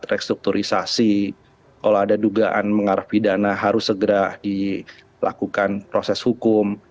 re strukturisasi kalau ada dugaan mengarapi dana harus segera dilakukan proses hukum